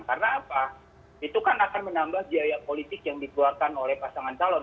karena apa itu kan akan menambah biaya politik yang dikeluarkan oleh pasangan calon